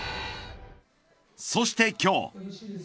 そして今日。